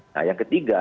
nah yang ketiga